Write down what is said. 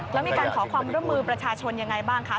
แล้วมีการขอความร่วมมือประชาชนยังไงบ้างคะ